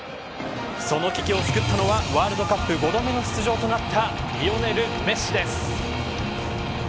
その危機を救ったのはワールドカップ５度目の出場となったリオネル・メッシです。